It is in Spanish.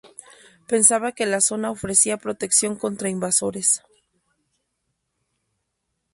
Pensaban que la zona ofrecía protección contra invasores.